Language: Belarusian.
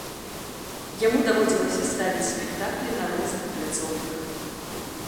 Яму даводзілася ставіць спектаклі на розных пляцоўках.